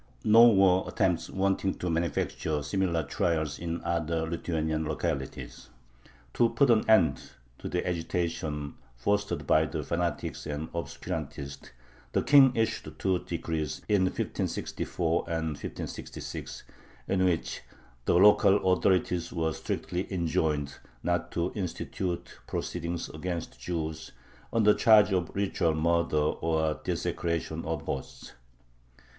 Nor were attempts wanting to manufacture similar trials in other Lithuanian localities. To put an end to the agitation fostered by fanatics and obscurantists, the King issued two decrees, in 1564 and 1566, in which the local authorities were strictly enjoined not to institute proceedings against Jews on the charge of ritual murder or desecration of hosts.